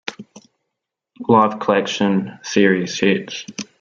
A live collection, Serious Hits...